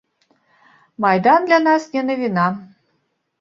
Майдан для нас не навіна.